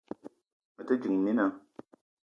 Me te ding, mina